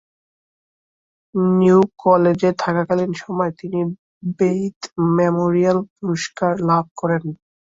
New কলেজে থাকাকালীন সময়ে তিনি বেইত মেমোরিয়াল পুরস্কার লাভ করেন।